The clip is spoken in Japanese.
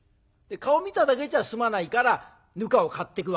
顔見ただけじゃ済まないからぬかを買っていくわけでございます。